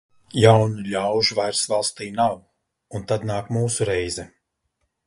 Jaunu ļaužu vairs valstī nav, un tad nāk mūsu reize.